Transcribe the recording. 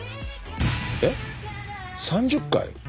えっ３０回？